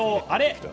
あれ？